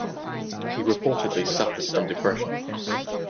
He reportedly suffered from depression.